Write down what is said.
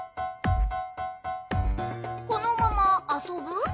このままあそぶ？